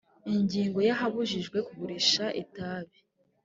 ingingo ya ahabujijwe kugurisha itabi